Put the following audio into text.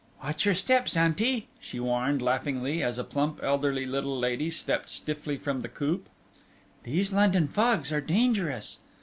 "Watch your steps, auntie," she warned laughingly, as a plump, elderly, little lady stepped stiffly from the coupe. "These London fogs are dangerous."